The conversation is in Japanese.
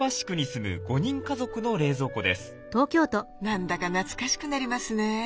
何だか懐かしくなりますね。